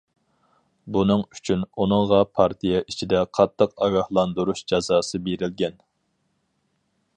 بۇنىڭ ئۈچۈن، ئۇنىڭغا پارتىيە ئىچىدە قاتتىق ئاگاھلاندۇرۇش جازاسى بېرىلگەن.